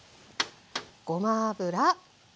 ごま油。